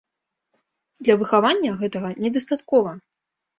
Для выхавання гэтага недастаткова.